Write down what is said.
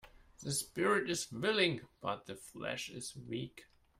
The spirit is willing but the flesh is weak.